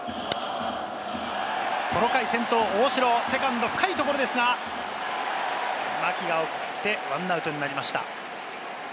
この回、先頭・大城、セカンド深いところですが、牧が送って１アウトになりました。